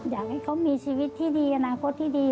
อยากให้เขามีชีวิตที่ดีอนาคตที่ดี